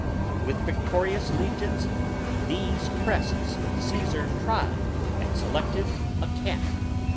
With victorious legions These crests Caesar trod and selected a camp.